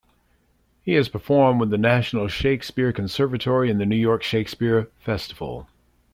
He has performed with the National Shakespeare Conservatory in the New York Shakespeare Festival.